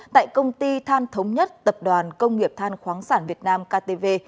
tại công ty than thống nhất tập đoàn công nghiệp than khoáng sản việt nam ktv